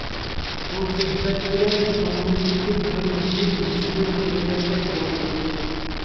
بۇ سۆھبەت بىلەن كۆڭلۈمدىكى بىر تۈگۈن يېشىلىپ كەتكەندەك بولدى.